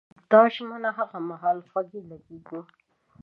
دا ژمنې هغه مهال خوږې لګېږي.